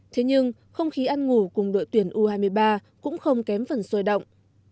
thế nhưng không khí ăn ngủ cùng đội tuyển u hai mươi ba cũng không kém phần sôi động